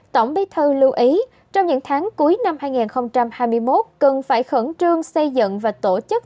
tổng bí thư lưu ý trong những tháng cuối năm hai nghìn hai mươi một cần phải khẩn trương xây dựng và tổ chức